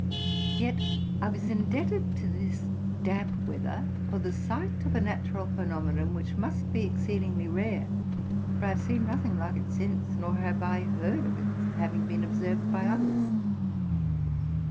Yet I was indebted to this damp weather for the sight of a natural phenomenon which must be exceedingly rare, for I have seen nothing like it since, nor have I heard of its having been observed by others.